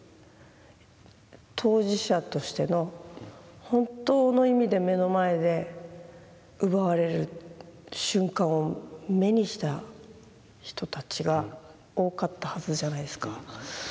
当事者としての本当の意味で目の前で奪われる瞬間を眼にした人たちが多かったはずじゃないですか。